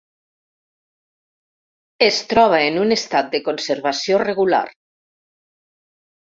Es troba en un estat de conservació regular.